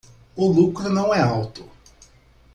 O lucro não é alto